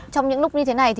trong những lúc như thế này